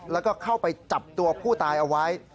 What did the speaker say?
แล้วก็เข้าไปจับตัวผู้ตายเอาไว้